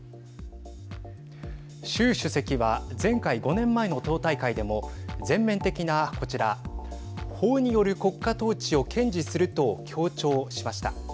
習主席は前回５年前の党大会でも全面的なこちら法による国家統治を堅持すると強調しました。